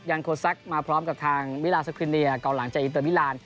ยังโคซักมาพร้อมกับทางวิลาสกรีเนียร์ก่อนหลังจะอินเตอร์วิลาน